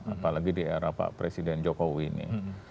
apalagi di era pak presiden jokowi ini